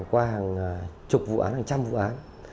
qua hàng chục vụ án hàng trăm vụ án